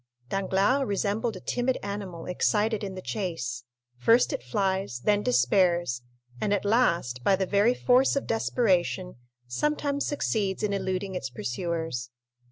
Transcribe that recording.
Danglars resembled a timid animal excited in the chase; first it flies, then despairs, and at last, by the very force of desperation, sometimes succeeds in eluding its pursuers.